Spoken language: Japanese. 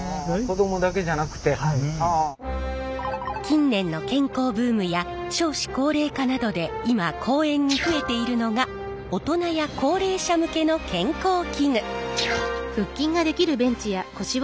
近年の健康ブームや少子高齢化などで今公園に増えているのが大人や高齢者向けの健康器具。